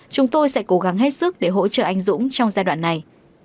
chúng tôi sẽ cố gắng hết sức để hỗ trợ anh dũng trong giai đoạn này